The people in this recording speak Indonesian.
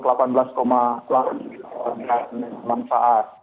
nah itu sudah menurunkan kemarin